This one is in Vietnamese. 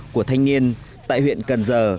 của thanh niên tại huyện cần giờ